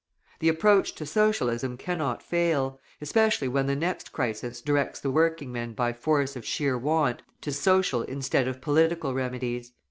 The approach to Socialism cannot fail, especially when the next crisis directs the working men by force of sheer want to social instead of political remedies.